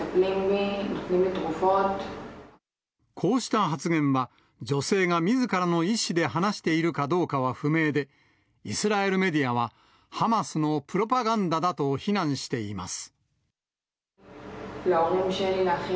こうした発言は、女性がみずからの意思で話しているかどうかは不明で、イスラエルメディアは、ハマスのプロパガンダだと非難しています。